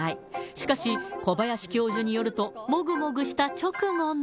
しかし、小林教授によると、もぐもぐした直後の。